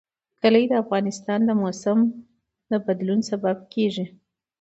کلي د افغانستان د موسم د بدلون سبب کېږي.